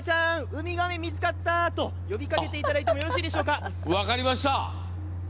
ウミガメ見つかった？と呼びかけていただいてもよろしいですか！